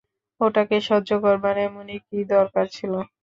ওটাকে সহ্য করবার এমনই কী দরকার ছিল?